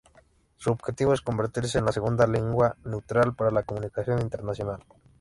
Su objetivo es convertirse en la segunda lengua neutral para la comunicación internacional.